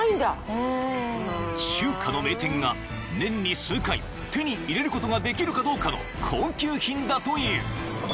［中華の名店が年に数回手に入れることができるかどうかの高級品だという］